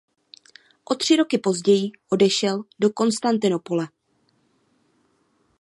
O tři roky později odešel do Konstantinopole.